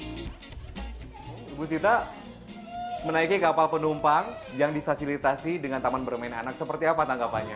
ibu sita menaiki kapal penumpang yang difasilitasi dengan taman bermain anak seperti apa tanggapannya